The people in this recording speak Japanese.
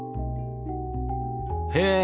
へえ！